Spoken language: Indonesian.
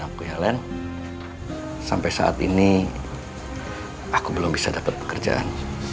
maafin aku ya len sampai saat ini aku belum bisa dapat pekerjaan